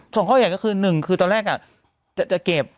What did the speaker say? ข้อใหญ่ก็คือหนึ่งคือตอนแรกจะเก็บ